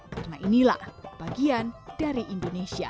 karena inilah bagian dari indonesia